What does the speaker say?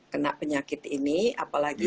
kena penyakit ini apalagi